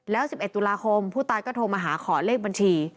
แล้ว๑๑ตุลาคมผู้ตายก็โทรมาหาขอเลขบัญชี